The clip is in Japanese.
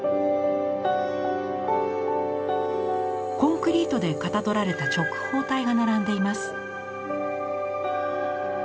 コンクリートでかたどられた直方体が並んでいます。